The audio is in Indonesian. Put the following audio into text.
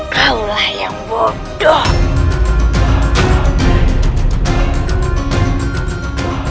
kau lah yang bodoh